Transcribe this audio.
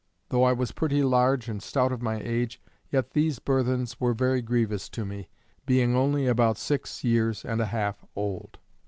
Though I was pretty large and stout of my age, yet these burthens were very grievous to me, being only about six years and a half old.